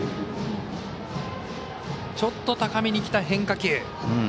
ちょっと高めにきた変化球。